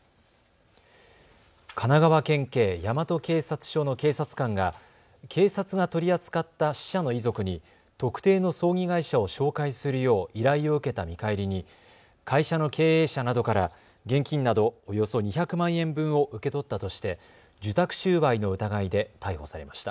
神奈川県警大和警察署の警察官が警察が取り扱った死者の遺族に特定の葬儀会社を紹介するよう依頼を受けた見返りに会社の経営者などから現金などおよそ２００万円分を受け取ったとして受託収賄の疑いで逮捕されました。